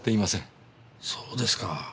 そうですか。